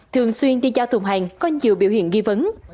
nhưng đi giao thùng hàng có nhiều biểu hiện ghi vấn